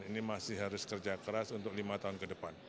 ini masih harus kerja keras untuk lima tahun ke depan